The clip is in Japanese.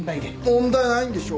問題ないんでしょ？